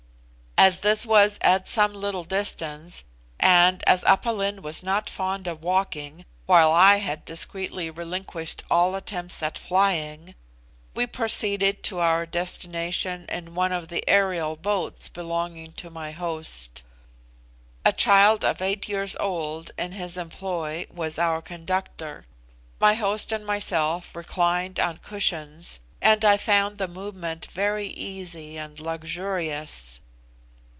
As this was at some little distance, and as Aph Lin was not fond of walking, while I had discreetly relinquished all attempts at flying, we proceeded to our destination in one of the aerial boats belonging to my host. A child of eight years old, in his employ, was our conductor. My host and myself reclined on cushions, and I found the movement very easy and luxurious.